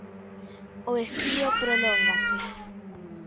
O estío prolóngase.